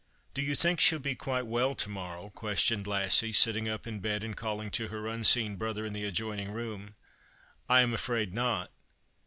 " Do you think she'll be quite well to morrow ?" ques tioned Lassie, sitting up in bed, and calling to her unseen brother in the adjoining room. " I am afraid not.